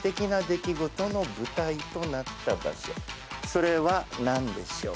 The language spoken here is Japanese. それは何でしょう？